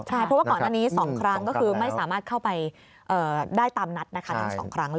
เพราะว่าก่อนหน้านี้๒ครั้งก็คือไม่สามารถเข้าไปได้ตามนัดนะคะทั้ง๒ครั้งเลย